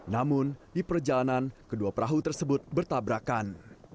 namun di perjalanan kedua perahu tersebut bertabrakan